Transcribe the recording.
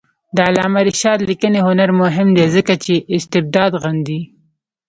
د علامه رشاد لیکنی هنر مهم دی ځکه چې استبداد غندي.